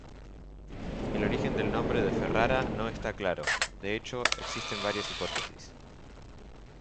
El origen del nombre de Ferrara no está claro: De hecho existen varias hipótesis.